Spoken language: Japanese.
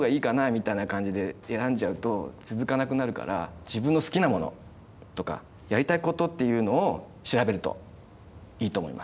みたいな感じで選んじゃうと続かなくなるから自分の好きなものとかやりたいことっていうのを調べるといいと思います。